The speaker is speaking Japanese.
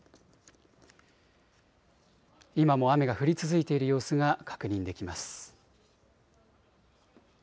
今も雨が降り続いている様子が確認できます。